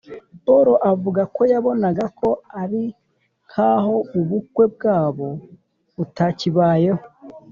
Paul avuga ko yabonaga ko ari nkaho ubukwe bwabo butakibayeho,